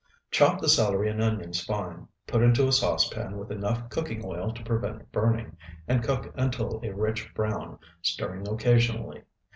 Chop the celery and onions fine, put into a saucepan with enough cooking oil to prevent burning, and cook until a rich brown, stirring occasionally.